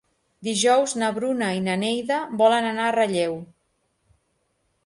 Dijous na Bruna i na Neida volen anar a Relleu.